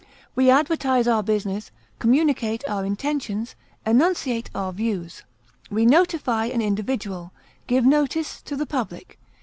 We advertise our business, communicate our intentions, enunciate our views; we notify an individual, give notice to the public.